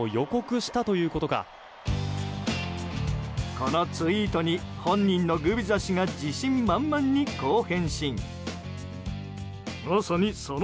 このツイートに本人のグビザ氏が自信満々にこう返信。